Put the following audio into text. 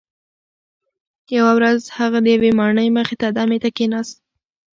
یوه ورځ هغه د یوې ماڼۍ مخې ته دمې ته کښیناست.